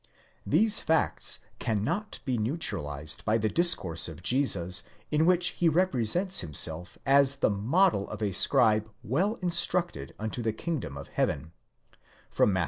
These facts cannot be neutralized by the discourse of Jesus in which he represents himself as the model of ascribe well instructed unto the kingdom of heaven ὁ (Matt.